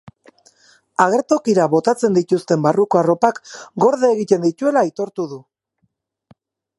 Agertokira botatzen dituzten barruko arropak gorde egiten dituela aitortu du.